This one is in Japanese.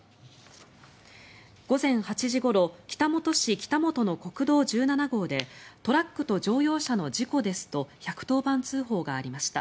午前８時ごろ北本市北本の国道１７号でトラックと乗用車の事故ですと１１０番通報がありました。